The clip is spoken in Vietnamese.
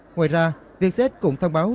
ngoài ra vietjet cũng thông báo